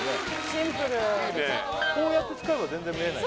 シンプルこうやって使えば全然見えない